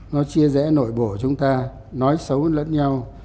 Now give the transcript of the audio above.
nó chia rẽ nội bộ chúng ta nói xấu lẫn nhau